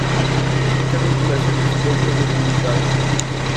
Esta vinculación está poco documentada.